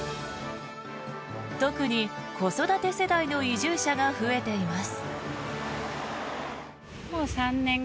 特に子育て世代の移住者が増えています。